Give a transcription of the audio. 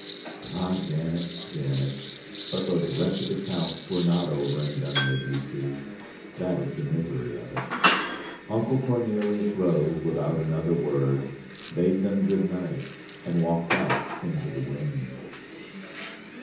"Ah, Janet, Janet! but those wretched accounts were not over and done with, you see. That is the misery of it." Uncle Cornelius rose without another word, bade them good night, and walked out into the wind.